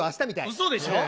うそでしょ。